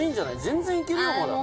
全然いけるよまだああ